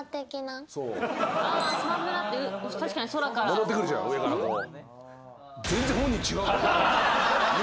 戻ってくるじゃん上からこう。